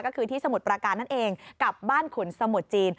ก็คือที่สมุทรประการนั่นเองกับบ้านขุนสมุทรจีน